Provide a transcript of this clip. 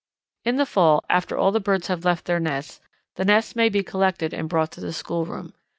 _ In the fall, after all the birds have left their nests, the nests may be collected and brought to the schoolroom.